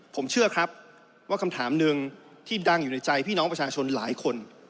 ผมเชื่อครับว่าคำถามหนึ่งที่ดังอยู่ในใจพี่น้องประชาชนหลายคน